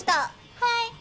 はい！